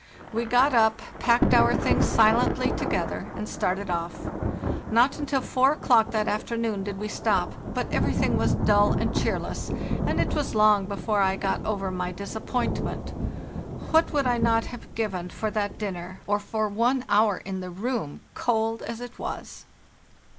We got up, packed our things silently together, and started off. Not until 4 o'clock that afternoon did we stop, but everything was dull and cheerless, and it was long before I got over my dis appointment. What would I not have given for that dinner, or for one hour in the room, cold as it was!